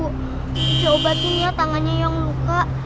kita obatin ya tangannya yang luka